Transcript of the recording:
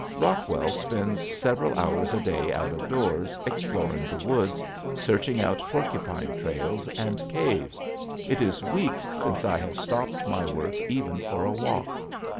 Rockwell spends several hours a day out of doors exploring the woods, searching out porcupine trails and caves. It is weeks since I have stopped my work even for a walk.